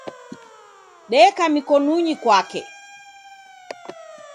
Deka mikonunyi kwake.